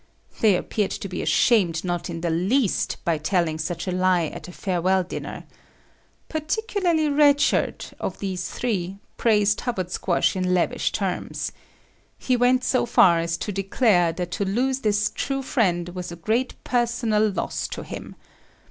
They appeared to be ashamed not in the least by telling such a lie at a farewell dinner. Particularly, Red Shirt, of these three, praised Hubbard Squash in lavish terms. He went so far as to declare that to lose this true friend was a great personal loss to him.